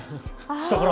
下から。